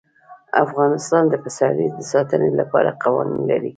افغانستان د پسرلی د ساتنې لپاره قوانین لري.